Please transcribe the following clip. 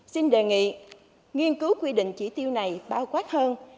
xin đề nghị nghiên cứu quy định chỉ tiêu này bao quát hơn